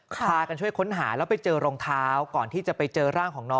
พากันช่วยค้นหาแล้วไปเจอรองเท้า